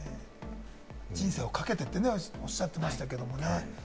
人生をかけてっておっしゃってましたけれどもね。